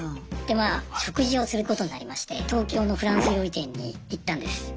でまぁ食事をすることになりまして東京のフランス料理店に行ったんです。